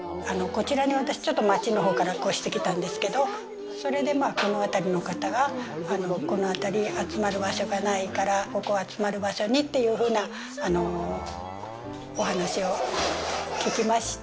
こちらに私、ちょっと町のほうから越してきたんですけど、それで、この辺りの方が、この辺りに集まる場所がないから、ここを集まれる場所にというふうなお話を聞きまして。